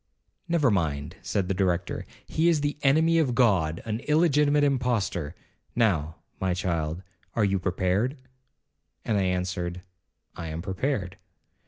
'Never mind,' said the Director, 'he is the enemy of God,—an illegitimate impostor. Now, my child, are you prepared?' and I answered, 'I am prepared.'